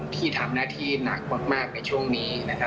ที่ทำหน้าที่หนักมากในช่วงนี้